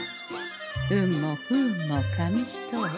運も不運も紙一重。